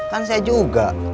kan saya juga